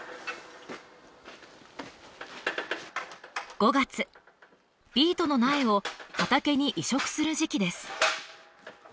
５月ビートの苗を畑に移植する時期です。